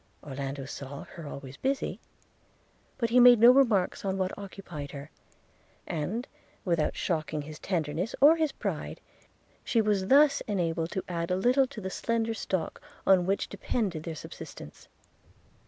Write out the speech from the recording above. – Orlando saw her always busy; but he made no remarks on what occupied her; and, without shocking his tenderness or his pride, she was thus enabled to add a little to the slender stock on which depended their subsistence.